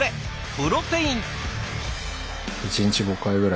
プロテイン。